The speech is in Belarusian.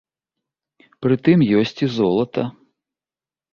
Пры тым ёсць і золата.